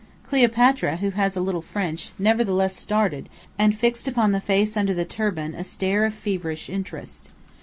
Cleopatra, who has little French, nevertheless started, and fixed upon the face under the turban a stare of feverish interest.